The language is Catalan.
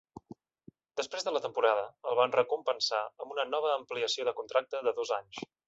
Després de la temporada el van recompensar amb una nova ampliació de contracte de dos anys.